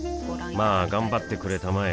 まあ頑張ってくれたまえ